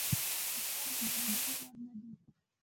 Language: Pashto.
په سترګو د لیدلو وړ نه دي.